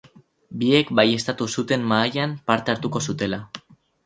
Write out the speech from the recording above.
Biek baieztatu zuten mahaian parte hartuko zutela.